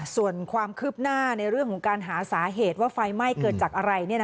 ส่วนความคืบหน้าในเรื่องของการหาสาเหตุว่าไฟไหม้เกิดจากอะไร